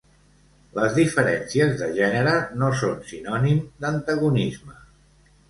Les diferències de gènere no són sinònim d'antagonisme.